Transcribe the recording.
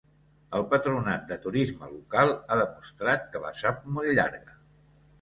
El patronat de turisme local ha demostrat que la sap molt llarga.